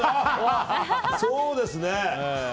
そうですね！